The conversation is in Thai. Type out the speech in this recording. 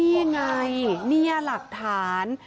นี่ไงนี่หลักฐาน